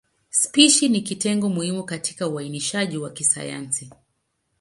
Spishi ni kitengo muhimu katika uainishaji wa kisayansi.